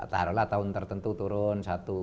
taruhlah tahun tertentu turun